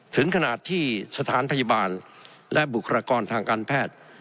ถึงขนาดที่สถานพยาบาลและบุคลากรทางการแพทย์